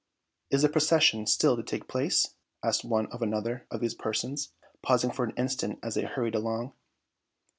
"Is the procession still to take place?" asked one of another of these persons, pausing for an instant as they hurried along.